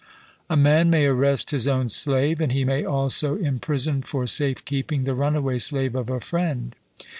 A man may arrest his own slave, and he may also imprison for safe keeping the runaway slave of a friend.